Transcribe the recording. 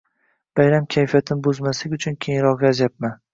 Bayram kayfiyatini buzmaslik uchun keyinroq yozyapman